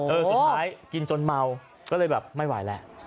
สุดท้ายกินจนเมาก็เลยแบบไม่ไหวแล้ว